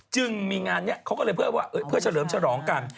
จึงมีงานนี้เขาก็เลยเพื่อว่าเพื่อเฉลิมฉลองกัน